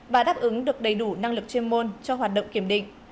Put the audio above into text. và đáp ứng được đầy đủ năng lực chuyên môn cho hoạt động kiểm định